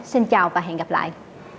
xin chào và hẹn gặp lại